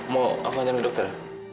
mau aku nanti nunggu dokter